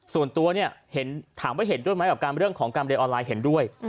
ส่วนตัวเนี่ยถามว่าเห็นด้วยไหมกับการเรื่องของการเรียนออนไลน์เห็นด้วย